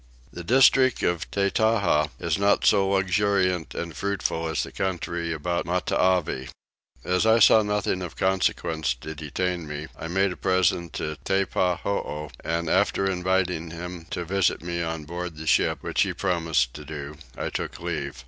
The district of Tettaha is not so luxuriant and fruitful as the country about Matavai. As I saw nothing of consequence to detain me I made a present to Teppahoo and, after inviting him to visit me on board the ship, which he promised to do, I took leave.